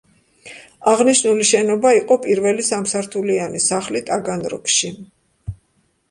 აღნიშნული შენობა იყო პირველი სამსართულიანი სახლი ტაგანროგში.